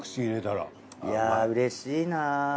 いやぁうれしいな。